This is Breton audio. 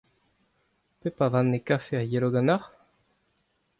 Pep a vanne kafe a yelo ganeoc'h ?